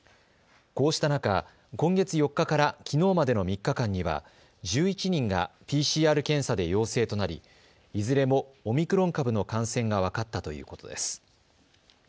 こうした中、今月４日からきのうまでの３日間には１１人がＰＣＲ検査で陽性となりいずれもオミクロン株の感染が分かったということです。